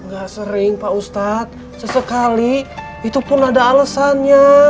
gak sering pak ustadz sesekali itu pun ada alasannya